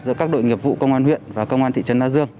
giữa các đội nghiệp vụ công an huyện và công an thị trấn na dương